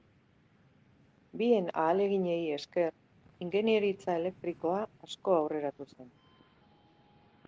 Bien ahaleginei esker ingeniaritza elektrikoa asko aurreratu zen.